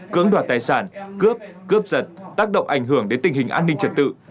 cưỡng đoạt tài sản cướp cướp giật tác động ảnh hưởng đến tình hình an ninh trật tự